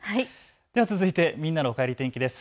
では続いてみんなのおかえり天気です。